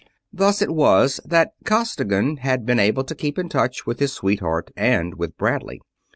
Thus it was that Costigan had been able to keep in touch with his sweetheart and with Bradley.